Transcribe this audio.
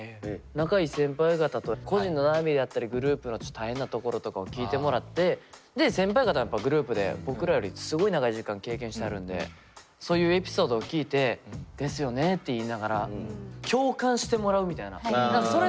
仲いい先輩方と個人の悩みであったりグループのちょっと大変なところとかを聞いてもらってで先輩方がやっぱりグループで僕らよりすごい長い時間経験してはるんでそういうエピソードを聞いてですよねって言いながら確かにね。